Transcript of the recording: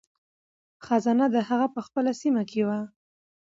خزانه د هغه په خپله سیمه کې وه.